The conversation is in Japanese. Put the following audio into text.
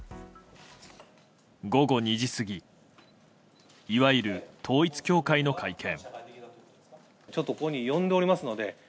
午後２時過ぎいわゆる統一教会の会見。